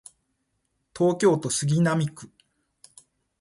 東京都杉並区